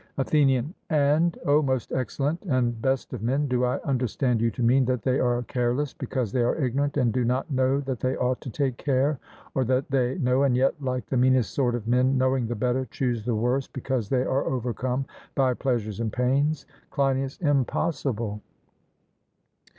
ATHENIAN: And, O most excellent and best of men, do I understand you to mean that they are careless because they are ignorant, and do not know that they ought to take care, or that they know, and yet like the meanest sort of men, knowing the better, choose the worse because they are overcome by pleasures and pains? CLEINIAS: Impossible.